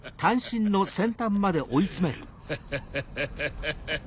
ハハハハハ。